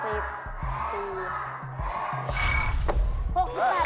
ความทรงนี้